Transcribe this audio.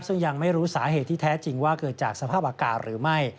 ซึ่งยังไม่รู้สาเหตุที่แท้จริงว่าเกิดจากสภาพอากาศหรือไม่